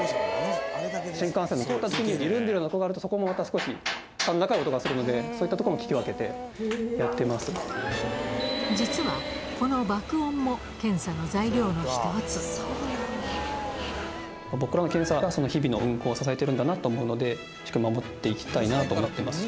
新幹線が通ったときに、緩んでいるのが加わると、そこが少し甲高い音がするので、そういったところも聞き分けてや実は、この爆音も検査の材料僕らの検査が、日々の運行を支えてるんだなと思うので、しっかり守っていきたいなと思ってます。